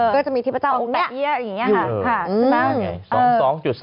ก็จะมีเทพเจ้าองค์แม่เอี้ยอย่างนี้ค่ะ